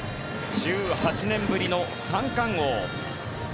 １８年ぶりの三冠王。